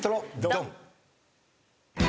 ドン！